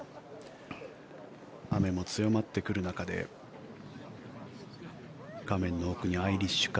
雨も強まってくる中で画面の奥にはアイリッシュ海。